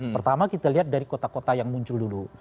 pertama kita lihat dari kota kota yang muncul dulu